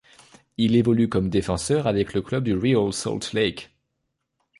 Il évolue comme défenseur avec le club du Real Salt Lake.